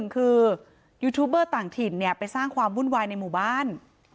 คือยูทูบเบอร์ต่างถิ่นไปสร้างความวุ่นวายในหมู่บ้าน